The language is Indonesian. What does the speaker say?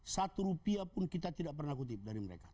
satu rupiah pun kita tidak pernah kutip dari mereka